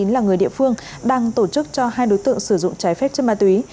là người địa phương đang tổ chức cho hai đối tượng sử dụng trái phép chân bà túy